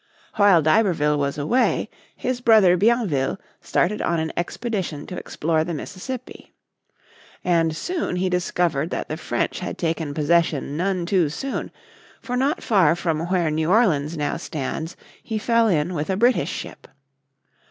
While d'Iberville was away, his brother Bienville started on an expedition to explore the Mississippi. And he soon discovered that the French had taken possession none too soon, for not far from where New Orleans now stands, he fell in with a British ship.